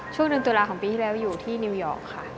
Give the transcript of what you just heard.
ช่วงเดือนตุลาของปีที่แล้วอยู่ที่นิวยอร์กค่ะ